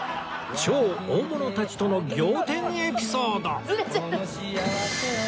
超大物たちとの仰天エピソード